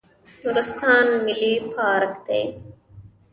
نورستان ملي پارک دی